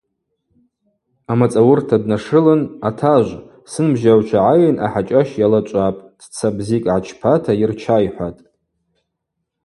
Амацӏауырта днашылын – Атажв, сынбжьагӏвчва гӏайын ахӏачӏащ йалачӏвапӏ, цца бзикӏ гӏачпата йырча, – йхӏватӏ.